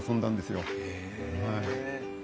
へえ。